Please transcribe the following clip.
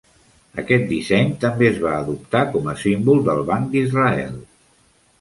Aquest disseny també es va adoptar com a símbol del Banc d'Israel.